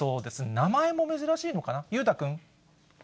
名前も珍しいのかな、裕太君。